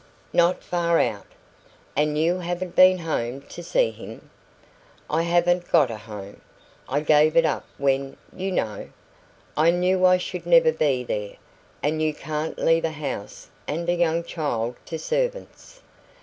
"Not far out." "And you haven't been home to see him?" "I haven't got a home. I gave it up when you know. I knew I should never be there, and you can't leave a house and a young child to servants.